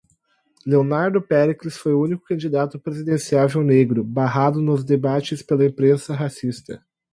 Leonardo Péricles foi o único candidato presidenciável negro, barrado dos debates pela imprensa racista